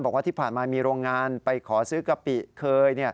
บอกว่าที่ผ่านมามีโรงงานไปขอซื้อกะปิเคย